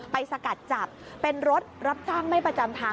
สกัดจับเป็นรถรับจ้างไม่ประจำทาง